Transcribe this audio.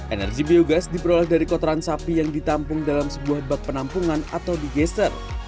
energi biogas diperoleh dari kotoran sapi yang ditampung dalam sebuah bak penampungan atau digeser